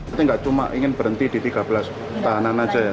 itu nggak cuma ingin berhenti di tiga belas tahanan saja ya